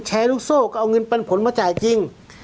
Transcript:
แชร์ลูกโซ่ก็เอาเงินปันผลมาจ่ายจริง